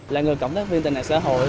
là người cộng tác viên tệ nạn xã hội